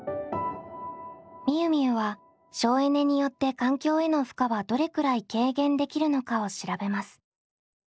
みゆみゆは省エネによって環境への負荷はどれくらい軽減できるのかを調べます。